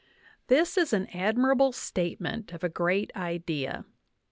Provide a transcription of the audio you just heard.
This is an admirable statement of a great idea.